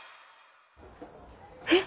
えっ！